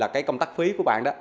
cái công tắc phí của bạn